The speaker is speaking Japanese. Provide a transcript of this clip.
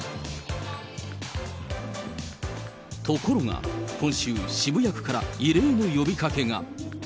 ところが今週、渋谷区から異例の呼びかけが。